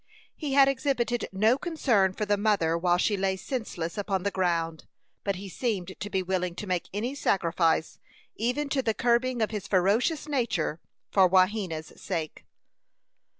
He had exhibited no concern for the mother while she lay senseless upon the ground, but he seemed to be willing to make any sacrifice, even to the curbing of his ferocious nature, for Wahena's sake.